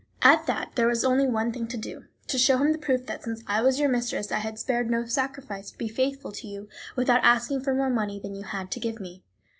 At that there was only one thing to do, to show him the proof that since I was your mistress I had spared no sacrifice to be faithful to you without asking for more money than you had to give me.